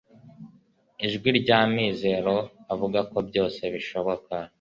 n'ijwi ry'amizero avuga ko byose bishoboka